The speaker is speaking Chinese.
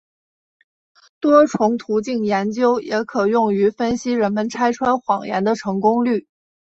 多重途径研究也可用于分析人们拆穿谎言的成功率。